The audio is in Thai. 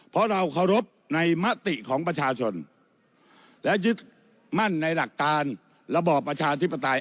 เพราะเราเคารพในมติของประชาชนและยึดมั่นในหลักการระบอบประชาธิปไตย